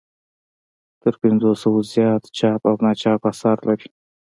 تر پنځو سوو زیات چاپ او ناچاپ اثار لري.